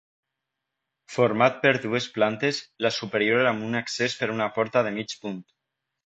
Format per dues plantes, la superior amb un accés per una porta de mig punt.